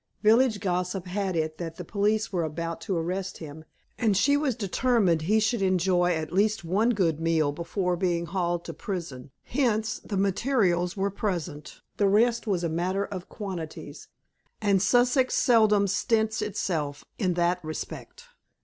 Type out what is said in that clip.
Village gossip had it that the police were about to arrest him, and she was determined he should enjoy at least one good meal before being haled to prison. Hence, the materials were present. The rest was a matter of quantities, and Sussex seldom stints itself in that respect.